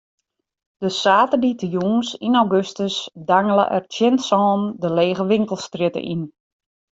Dy saterdeitejûns yn augustus dangele er tsjin sânen de lege winkelstrjitte yn.